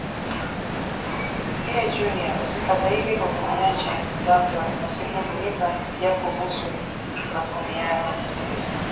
Dear Junior, usifadhaike kwa kuniacha ghafla pasipo kunipa japo busu la kuniaga